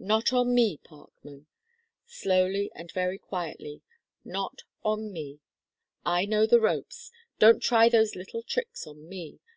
"Not on me, Parkman ," slowly and very quietly "not on me. I know the ropes. Don't try those little tricks on me.